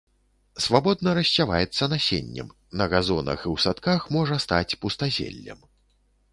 Свабодна рассяваецца насеннем, на газонах і ў садках можа стаць пустазеллем.